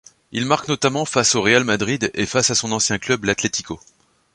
Il marque notamment face au Real Madrid et face à son ancien club, l'Atlético.